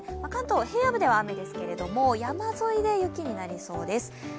関東は平野部では雨ですけれども、山沿いで雪になりそうです。